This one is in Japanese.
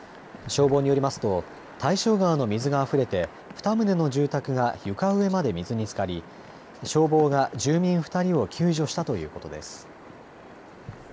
消防によりますと大正川の水があふれて２棟の住宅が床上まで水につかり、消防が住民２人を救助したということです。